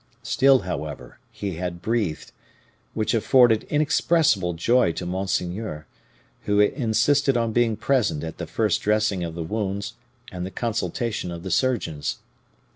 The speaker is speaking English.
Still, however, he had breathed, which afforded inexpressible joy to monseigneur, who insisted on being present at the first dressing of the wounds and the consultation of the surgeons.